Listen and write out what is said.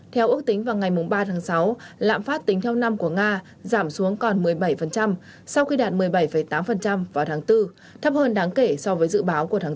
theo ước tính vào ngày ba tháng sáu lạm phát tính theo năm của nga giảm xuống còn một mươi bảy sau khi đạt một mươi bảy tám vào tháng bốn thấp hơn đáng kể so với dự báo của tháng bốn